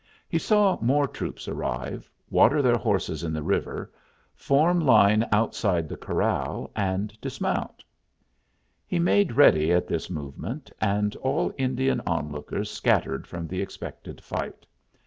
He saw more troops arrive, water their horses in the river, form line outside the corral, and dismount. He made ready at this movement, and all Indian on lookers scattered from the expected fight.